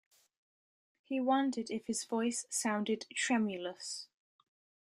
He wondered if his voice sounded tremulous.